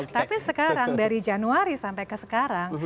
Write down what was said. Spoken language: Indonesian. tapi sekarang dari januari sampai ke sekarang